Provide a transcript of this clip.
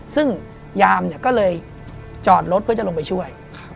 ซึ่งยามเนี่ยก็เลยจอดรถเพื่อจะลงไปช่วย